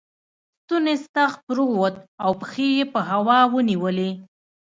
ستونی ستغ پر ووت او پښې یې په هوا ونیولې.